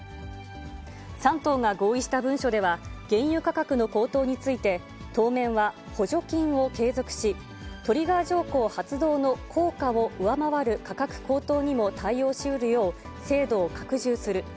３党が合意した文書では、原油価格の高騰について、当面は補助金を継続し、トリガー条項発動の効果を上回る価格高騰にも対応しうるよう、制度を拡充する。